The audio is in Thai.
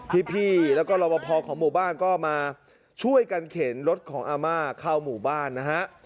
พี่แล้วก็รอบพอของหมู่บ้านก็มาช่วยกันเข็นรถของอาม่าเข้าหมู่บ้านนะฮะ